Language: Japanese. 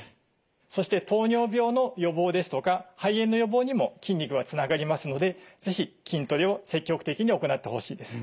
そして糖尿病の予防ですとか肺炎の予防にも筋肉はつながりますので是非筋トレを積極的に行ってほしいです。